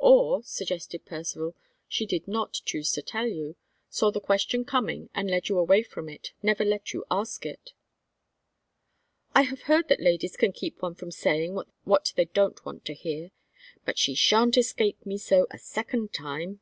"Or," suggested Percivale, "she did not choose to tell you; saw the question coming, and led you away from it; never let you ask it." "I have heard that ladies can keep one from saying what they don't want to hear. But she sha'n't escape me so a second time."